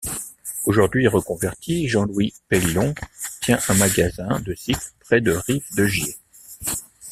Aujourd'hui reconverti, Jean-Louis Peillon tient à un magasin de cycle prêt de Rive-de-Gier.